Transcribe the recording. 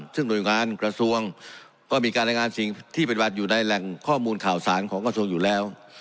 ซึ่งหน่วยงานกระทรวงก็มีการรายงานสิ่งที่ปฏิบัติอยู่ในแหล่งข้อมูลข่าวสารของกระทรวงอยู่แล้ว